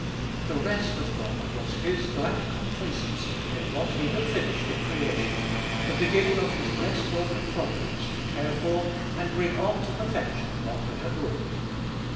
The rest of God was His glad complacency in what He had finished in Creation, the beginning of His blessed work of Providence to care for and bring on to perfection what He had wrought.